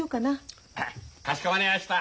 かしこまりました。